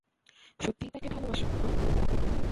সত্যিই তাকে ভালোবাসো, হাহ?